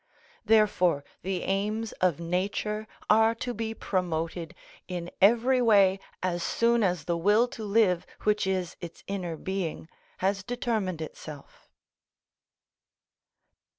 Therefore the aims of Nature are to be promoted in every way as soon as the will to live, which is its inner being, has determined itself.